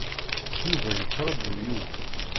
Yuba yettṛaju yiwen.